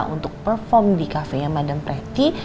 untuk perform di kafenya madam pretty